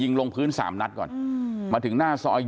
ตรงนี้คือหน้าซอยและในภาพกล้องอุงจรปิดแต่ก่อนหน้านี้เข้าไปในซอย